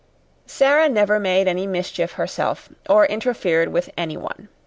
Sara never made any mischief herself, or interfered with anyone.